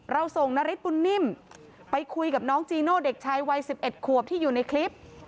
เราส่งนาริสบุญนิ่มไปคุยกับน้องจีโน่เด็กชายวัย๑๑ขวบที่อยู่ในคลิป